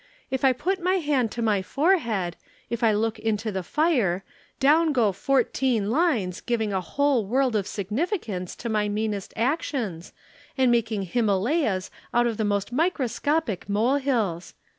if I put my hand to my forehead, if I look into the fire, down go fourteen lines giving a whole world of significance to my meanest actions, and making Himalayas out of the most microscopic molehills.